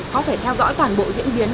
có phải theo dõi toàn bộ diễn biến